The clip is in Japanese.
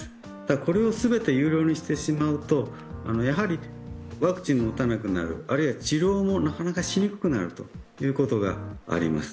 これを全て有料にしてしまうとワクチンを打たなくなる、また、治療もなかなかしにくくなるということがあります。